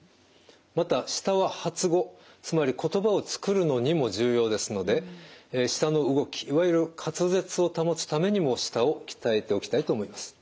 また舌は発語つまり言葉を作るのにも重要ですので舌の動きいわゆる滑舌を保つためにも舌を鍛えておきたいと思います。